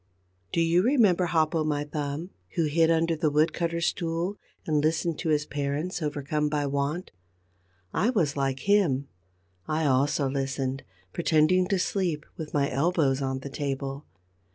Do you remember Hop o' My Thumb, who hid under the wood cutter's stool and listened to his parents overcome by want? I was like him. I also listened, pretending to sleep, with my elbows on the table.